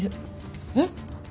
えっ？